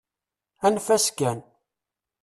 Anef-as kan.